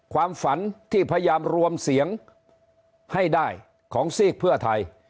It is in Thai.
ความฝันที่พยายามรวมเสียงให้ได้ของซีกเพื่อไทย